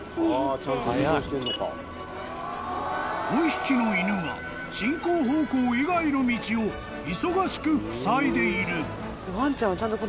［５匹の犬が進行方向以外の道を忙しくふさいでいる］